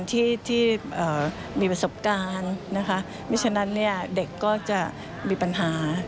ไม่ได้มีประสบการณ์ไม่ฉะนั้นเด็กก็จะมีปัญหา